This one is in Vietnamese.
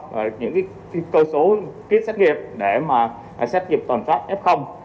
những cơ số kít sách nghiệp để mà sách nghiệp toàn pháp f